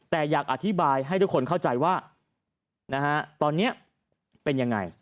แต่อยากอธิบายให้ทุกคนเข้าใจว่าตอนนี้เป็นยังไง